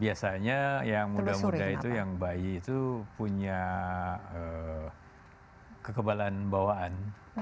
biasanya yang muda muda itu yang bayi itu punya kekebalan bawaan